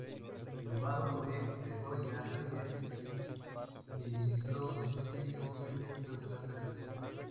El abogado Luis Bedoya Reyes, exministro de Justicia, fue elegido alcalde de Lima.